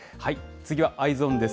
次はＥｙｅｓｏｎです。